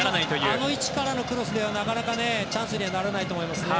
あの位置からのクロスではなかなかチャンスにはならないと思いますね。